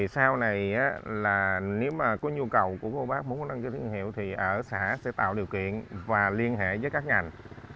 sau này nếu có nhu cầu của cô bác muốn đăng ký thương hiệu thì ở xã sẽ tạo điều kiện và liên hệ với các ngành